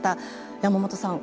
山本さん